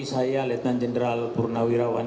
saya lieutenant general purnawirawan